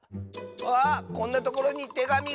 あこんなところにてがみが！